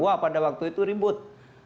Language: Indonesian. wah pada waktu itu ribut